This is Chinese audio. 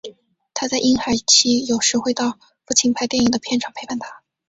她在婴孩期有时会到父亲拍电影的片场陪伴他。